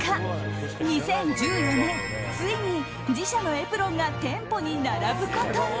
ついに自社のエプロンが店舗に並ぶことに。